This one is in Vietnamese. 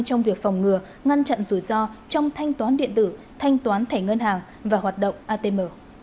trong việc phòng ngừa ngăn chặn rủi ro trong thanh toán điện tử thanh toán thẻ ngân hàng và hoạt động atm